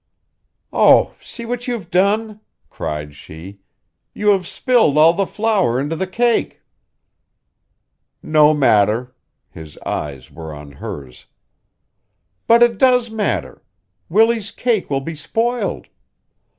"Oh, see what you've done!" cried she. "You have spilled all that flour into the cake." "No matter." His eyes were on hers. "But it does matter. Willie's cake will be spoiled."